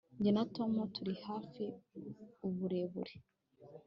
Jye na Tom turi hafi uburebure